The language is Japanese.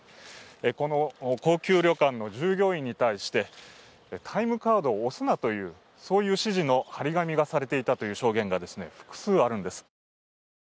この高級旅館の従業員に対して、タイムカードを押すなという指示の貼り紙がされていたという証言が複数あるんです。